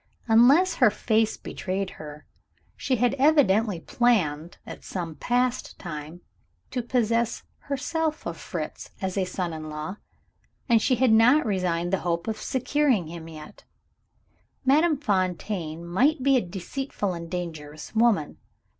Unless her face betrayed her, she had evidently planned, at some past time, to possess herself of Fritz as a son in law, and she had not resigned the hope of securing him yet. Madame Fontaine might be a deceitful and dangerous woman.